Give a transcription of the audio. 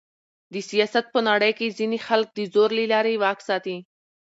د سیاست په نړۍ کښي ځينې خلک د زور له لاري واک ساتي.